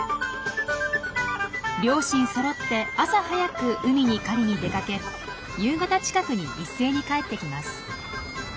両親そろって朝早く海に狩りに出かけ夕方近くに一斉に帰ってきます。